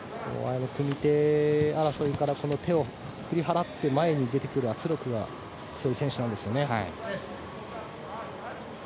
組み手争いからこの手を振り払って前に出てくる圧力が強い選手なんですよね。